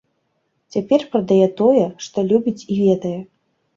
Цяпер прадае тое, што любіць і ведае.